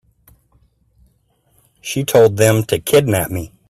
She told them to kidnap me.